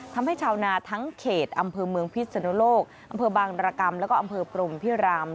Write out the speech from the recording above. ทำให้ชาวนาทั้งเขตอำเภอเมืองพิษนุโลกอำเภอบางรกรรมแล้วก็อำเภอพรมพิราม